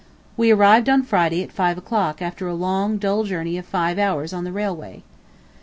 We arrived on Friday at five o'clock after a long dull journey of five hours on the railway.